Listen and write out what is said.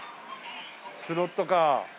スロットカーほら。